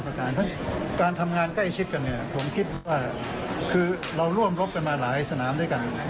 เพราะฉะนั้นการทำงานใกล้ชิดกันเนี่ยผมคิดว่าคือเราร่วมรบกันมาหลายสนามด้วยกัน